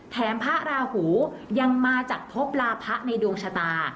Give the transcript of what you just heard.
พระราหูยังมาจากพบลาพะในดวงชะตา